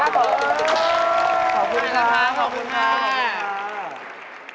ขอบคุณทุกคนละคะขอบคุณมาก